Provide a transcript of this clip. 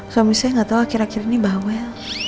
suami saya gak tau akhir akhir ini bawel